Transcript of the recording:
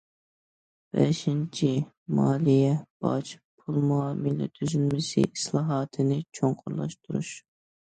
بەشىنچى، مالىيە، باج، پۇل مۇئامىلە تۈزۈلمىسى ئىسلاھاتىنى چوڭقۇرلاشتۇرۇش.